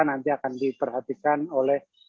nanti akan diperhatikan oleh